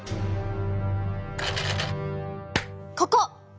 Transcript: ここ。